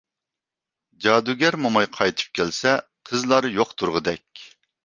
جادۇگەر موماي قايتىپ كەلسە، قىزلار يوق تۇرغۇدەك.